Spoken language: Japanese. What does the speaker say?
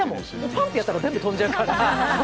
パンってやったら全部飛んじゃう感じ。